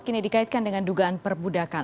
kini dikaitkan dengan dugaan perbudakan